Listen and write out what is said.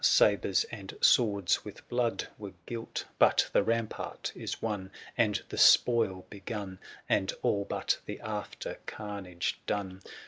Sabres and swords with blood were gilt: But the rampart is won, and the spoil begun, And all but the after carnage done.